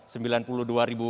yang akan diterima adalah